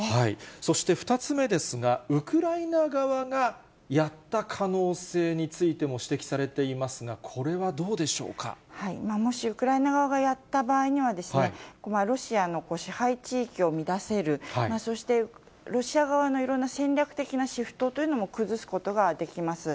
そして２つ目ですが、ウクライナ側がやった可能性についても指摘されていますが、もしウクライナ側がやった場合には、ロシアの支配地域を乱せる、そしてロシア側のいろんな戦略的なシフトというのも崩すことができます。